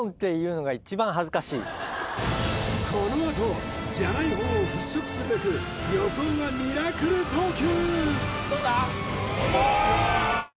このあと「じゃない方」を払拭するべく横尾がミラクル投球！